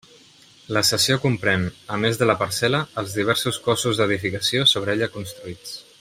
La cessió comprén, a més de la parcel·la, els diversos cossos d'edificació sobre ella construïts.